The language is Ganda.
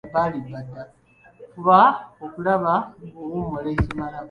Fuba okulaba ng’owummula ekimala.